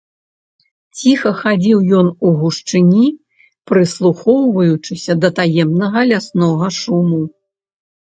Ціха хадзіў ён у гушчыні, прыслухоўваючыся да таемнага ляснога шуму.